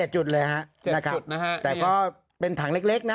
จุดเลยครับแต่ก็เป็นถังเล็กนะ